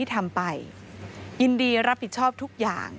ทำไปยินดีรับผิดชอบทุกอย่าง